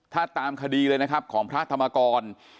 ถ้าตามคดีเลยนะครับของพระธรรมกร